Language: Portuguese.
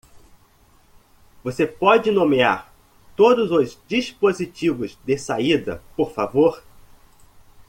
Você pode nomear todos os dispositivos de saída, por favor?